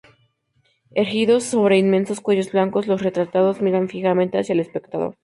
Erguidos sobre inmensos cuellos blancos, los retratados miran fijamente hacia el espectador.